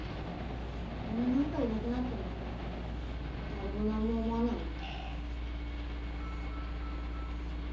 俺なんかいなくなっても誰も何も思わないよ。